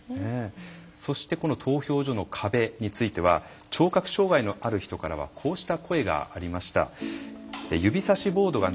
そして投票所の壁については聴覚障害のある人からはこうした声がありました。